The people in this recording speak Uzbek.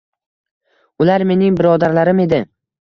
Ular mening birodarlarim edi.